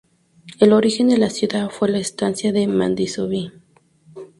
El origen de la ciudad fue la estancia de Mandisoví.